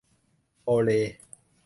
โอเลย์